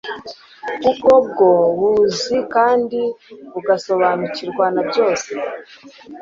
kuko bwo buzi kandi bugasobanukirwa na byose